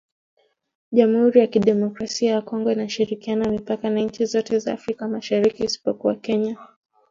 Jamuhuri ya Kidemokrasia ya Kongo inashirikiana mipaka na nchi zote za Afrika Mashariki isipokuwa Kenya